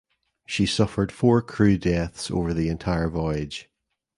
She suffered four crew deaths over the entire voyage.